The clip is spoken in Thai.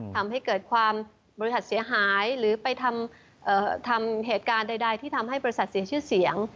ทำให้เกิดความบริษัทเสียหายหรือไปทำเหตุการณ์ใดที่ทำให้บริษัทเสียชื่อเสียง